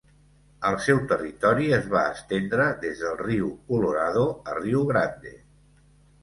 El seu territori es va estendre des del riu Colorado a riu Grande.